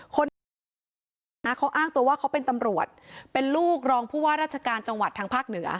คนที่ก่อเหตุนะเขาอ้างตัวว่าเขาเป็นตำรวจเป็นลูกรองผู้ว่าราชการจังหวัดทางภาคเหนือ